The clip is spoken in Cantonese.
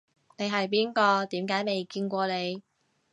你係邊個？點解未見過你